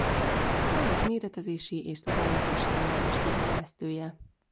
Számos méretezési és szabályozási eljárás kifejlesztője.